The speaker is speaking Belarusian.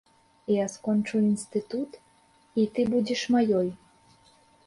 Я скончу інстытут, і ты будзеш маёй.